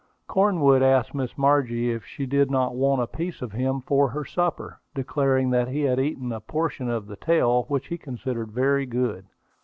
Cornwood asked Miss Margie if she did not want a piece of him for her supper, declaring that he had eaten a portion of the tail, which he considered very good.